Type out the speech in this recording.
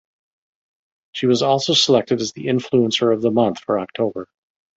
She was also selected as the Influencer of the month for October.